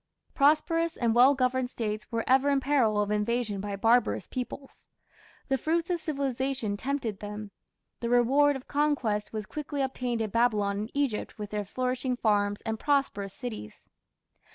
Prosperous and well governed States were ever in peril of invasion by barbarous peoples. The fruits of civilization tempted them; the reward of conquest was quickly obtained in Babylon and Egypt with their flourishing farms and prosperous cities.